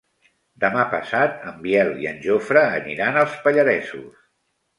Demà passat en Biel i en Jofre aniran als Pallaresos.